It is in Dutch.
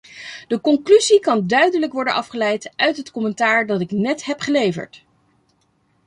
De conclusie kan duidelijk worden afgeleid uit het commentaar dat ik net heb geleverd.